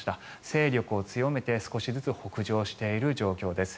勢力を強めて少しずつ北上している状況です。